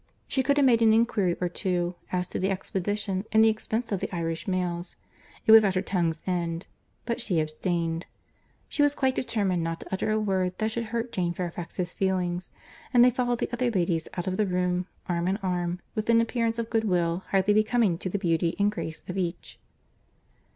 She could have made an inquiry or two, as to the expedition and the expense of the Irish mails;—it was at her tongue's end—but she abstained. She was quite determined not to utter a word that should hurt Jane Fairfax's feelings; and they followed the other ladies out of the room, arm in arm, with an appearance of good will highly becoming to the beauty and grace of each.